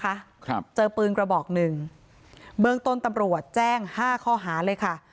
ครับเจอปืนกระบอกหนึ่งเบื้องต้นตำรวจแจ้งห้าข้อหาเลยค่ะ